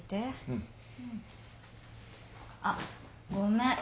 うん。あっごめん。